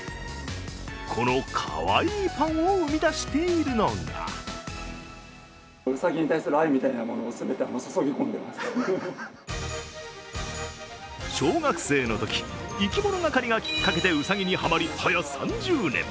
このかわいいパンを生み出しているのが小学生のとき、生き物係がきっかけでうさぎにハマリ、はや３０年。